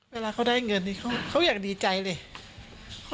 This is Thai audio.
เวลาเขาได้เงินนี่เขาอยากดีใจเลย